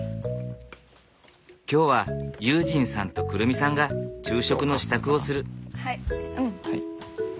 今日は悠仁さんと来未さんが昼食の支度をする。